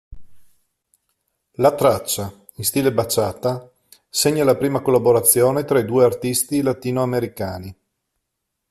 La traccia, in stile bachata, segna la prima collaborazione tra i due artisti latinoamericani.